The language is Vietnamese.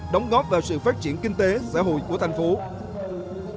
đóng góp vào sự phát triển kinh tế xã hội của tp hcm